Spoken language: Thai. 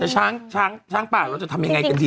ช้างช้างช้างป่าเราจะทำยังไงจะดี